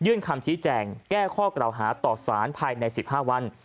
ยื่นความชี้แจ่งแก้ข้อกล่าวหาัต่อสารภายในสิบห้าวัน